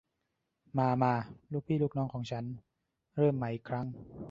มา มา ลูกพี่ลูกน้องของฉัน เริ่มใหม่อีกครั้ง